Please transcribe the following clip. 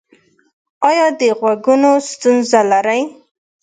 ایا د غوږونو ستونزه لرئ؟